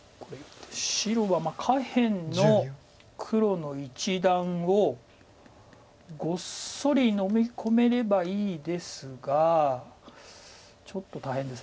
白は下辺の黒の一団をごっそりのみ込めればいいですがちょっと大変です。